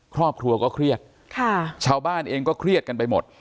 ครอบครัวก็เครียดค่ะชาวบ้านเองก็เครียดกันไปหมด